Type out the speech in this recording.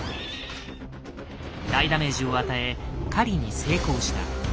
大ダメージを与え狩りに成功した。